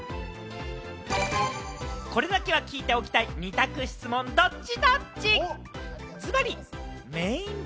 これだけは聞いておきたい、２択質問ドッチ？